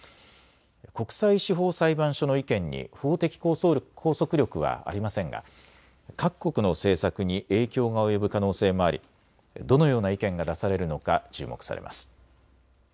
国際司法裁判所の意見に法的拘束力はありませんが各国の政策に影響が及ぶ可能性もありどのような意見が出されるのか注目されます。